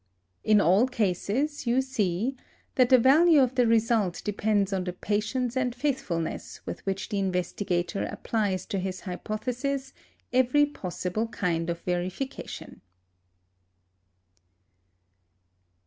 In all cases, you see that the value of the result depends on the patience and faithfulness with which the investigator applies to his hypothesis every possible kind of verification.